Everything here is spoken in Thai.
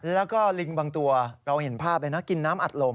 แล้วก็ลิงบางตัวเราเห็นภาพเลยนะกินน้ำอัดลม